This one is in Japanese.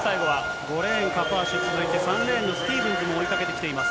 ５レーン、カパーシュ、３レーンのスティーブンズも追いかけてきています。